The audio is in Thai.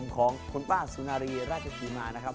ของคุณป้าสุนารีราชศรีมานะครับ